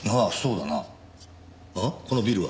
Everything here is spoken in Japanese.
このビルは？